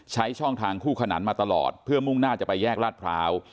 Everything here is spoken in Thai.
ช่องทางคู่ขนานมาตลอดเพื่อมุ่งหน้าจะไปแยกลาดพร้าว